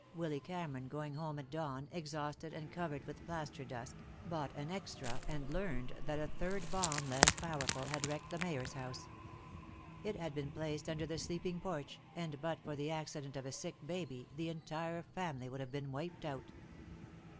Willy Cameron, going home at dawn, exhausted and covered with plaster dust, bought an extra and learned that a third bomb, less powerful, had wrecked the mayor's house. It had been placed under the sleeping porch, and but for the accident of a sick baby the entire family would have been wiped out.